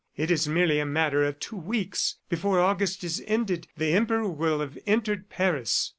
It is merely a matter of two weeks. Before August is ended, the Emperor will have entered Paris."